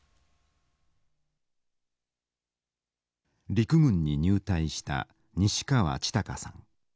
陸軍に入隊した西川千孝さん。